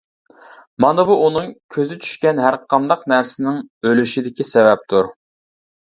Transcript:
مانا بۇ ئۇنىڭ كۆزى چۈشكەن ھەرقانداق نەرسىنىڭ ئۆلۈشىدىكى سەۋەبتۇر.